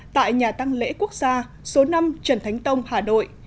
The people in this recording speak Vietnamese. tại nhà tăng lễ quốc gia số năm trần thánh tông hà nội